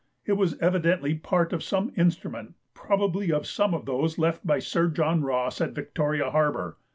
It was evidently part of some instrument, probably of some of those left by Sir John Ross at Victoria Harbour.